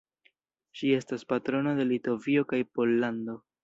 Ŝi estas patrono de Litovio kaj Pollando.